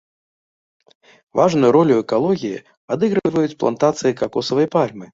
Важную ролю ў экалогіі адыгрываюць плантацыі какосавай пальмы.